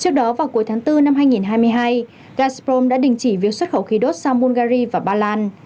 trước đó vào cuối tháng bốn năm hai nghìn hai mươi hai gasprom đã đình chỉ việc xuất khẩu khí đốt sang bulgari và ba lan